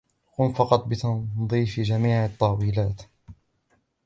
قمت فقط بتنظيف جميع الطاولات